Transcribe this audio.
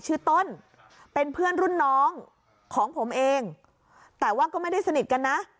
ชื่อต้นเป็นเพื่อนรุ่นน้องของผมเองแต่ว่าก็ไม่ได้สนิทกันนะ